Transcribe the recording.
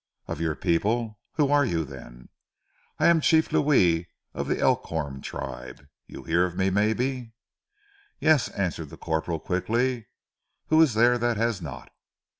"Of your people. Who are you then?" "I am Chief Louis of ze Elkhorn tribe. You hear of me, maybe?" "Yes," answered the corporal quickly. "Who is there that has not?"